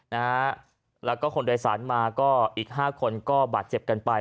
นะฮะแล้วก็คนโดยสารมาก็อีกห้าคนก็บาดเจ็บกันไป